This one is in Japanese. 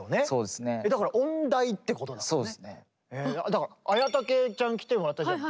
だから文武ちゃん来てもらったじゃん。